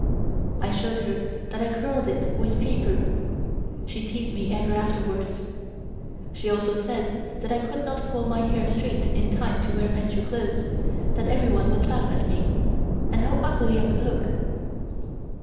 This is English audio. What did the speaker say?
I showed her that I curled it with paper, and she teased me ever afterwards. She also said that I could not pull my hair straight in time to wear Manchu clothes, that everyone would laugh at me, and how ugly I would look.